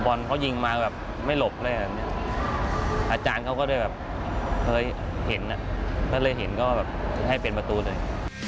บอลเขายิงมาไม่หลบเลยอาจารย์เขาก็เลยเห็นก็ให้เป็นประตูเลย